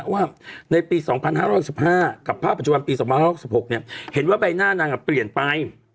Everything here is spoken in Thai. ว่าในปี๒๕๖๕กับภาพปัจจุบันปี๒๖๖เห็นว่าใบหน้านางเปลี่ยนไป